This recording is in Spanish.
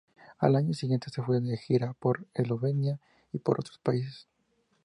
Al año siguiente, se fue de gira por Eslovenia, y por otros países.